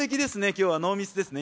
今日はノーミスですね